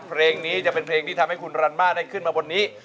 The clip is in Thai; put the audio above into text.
เพลงนี้จะเป็นเพลงที่ทำให้คุณรันม่าได้ขึ้นมาบนนี้